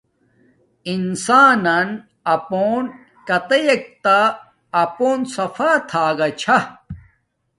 انسان نن اپون کاتیک تہ اپون صفا تھا گا چھا